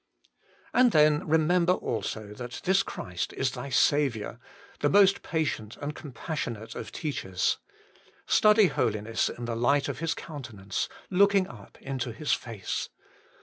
And then remember, also, that this Christ is thy Saviour, the most patient and compassionate of teachers. Study holiness in the light of His countenance, looking up into His face.